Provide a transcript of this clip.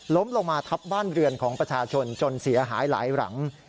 ลงมาทับบ้านเรือนของประชาชนจนเสียหายหลายหลัง